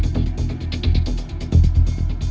ทุกคนค่ะ